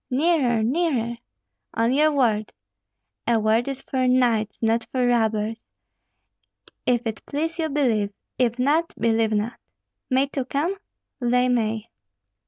Nearer, nearer!" "On your word." "A word is for knights, not for robbers. If it please you, believe; if not, believe not." "May two come?" "They may."